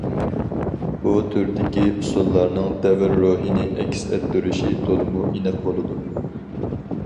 بۇ تۈردىكى ئۇسسۇللارنىڭ دەۋر روھىنى ئەكس ئەتتۈرۈشى تولىمۇ ئېنىق بولىدۇ.